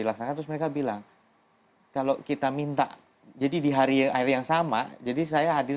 dilaksanakan terus mereka bilang kalau kita minta jadi di hari air yang sama jadi saya hadir